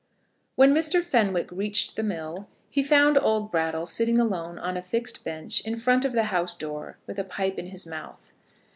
When Mr. Fenwick reached the mill, he found old Brattle sitting alone on a fixed bench in front of the house door with a pipe in his mouth.